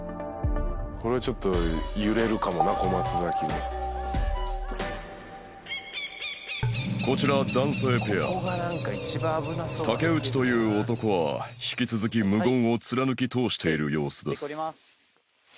これはちょっと揺れるかもな小松崎はこちら男性ペア竹内という男は引き続き無言を貫き通している様子です